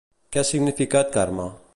Què ha significat Carme?